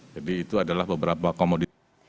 jadi itu adalah beberapa komoditas